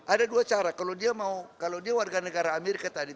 ada dua cara kalau dia warganegara amerika tadi